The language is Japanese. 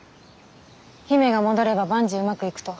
姫が戻れば万事うまくいくと？